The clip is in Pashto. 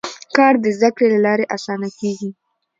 کار د زده کړې له لارې اسانه کېږي